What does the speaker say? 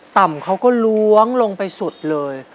เขาก็ล้วงลงไปสุดเลย